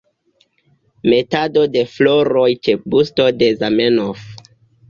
Metado de floroj ĉe busto de Zamenhof.